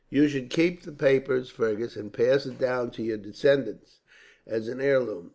"You should keep that paper, Fergus, and pass it down to your descendants, as an heirloom.